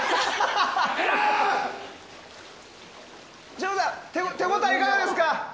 省吾さん手応えいかがですか？